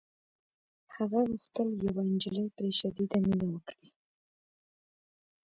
هغه غوښتل یوه نجلۍ پرې شدیده مینه وکړي